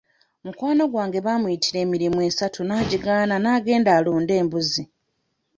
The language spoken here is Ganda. Mukwano gwange baamuyitira emirimu esatu n'agigaana n'agenda alunde embuzi.